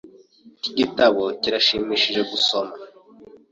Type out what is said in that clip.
Iki gitabo kirashimishije gusoma.